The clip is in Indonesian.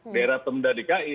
di daerah pembendah di kai